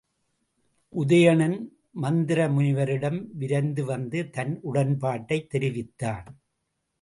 உதயணன் மந்தரமுனிவரிடம் விரைந்துவந்து தன் உடன்பாட்டைத் தெரிவித்தான்.